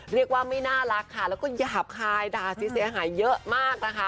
เรียกว่าไม่น่ารักค่ะแล้วก็หยาบคายด่าเสียหายเยอะมากนะคะ